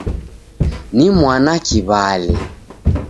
Ni mwana kiwale!